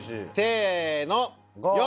せの！